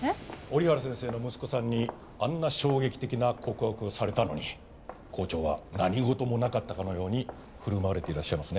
折原先生の息子さんにあんな衝撃的な告白をされたのに校長は何事もなかったかのように振る舞われていらっしゃいますね。